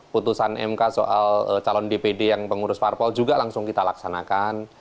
putusan mk soal calon dpd yang pengurus parpol juga langsung kita laksanakan